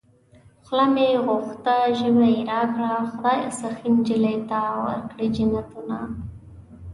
خوله مې غوښته ژبه يې راکړه خدايه سخي نجلۍ ته ورکړې جنتونه